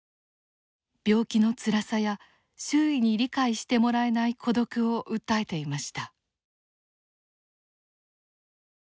病気のつらさや周囲に理解してもらえない孤独を訴えていました。